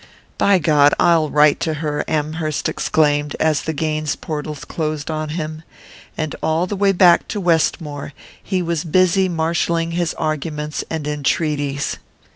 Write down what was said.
"By God, I'll write to her!" Amherst exclaimed, as the Gaines portals closed on him; and all the way back to Westmore he was busy marshalling his arguments and entreaties.